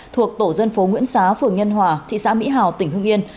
thuộc tổ dân phố nguyễn xá phường nhân hòa thị xã mỹ hào tỉnh hưng yên